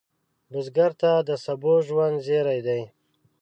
بزګر ته د سبو ژوند زېری دی